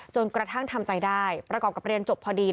จนกระทั่งทำใจได้ประกอบกับเรียนจบพอดี